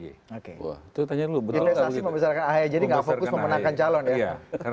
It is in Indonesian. investasi membesarkan ahy jadi gak fokus memenangkan calon ya